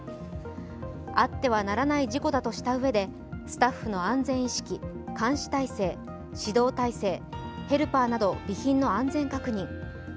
あってはならない事故だとしたうえで、スタッフの安全意識、監視体制、指導体制ヘルパーなど備品の安全確認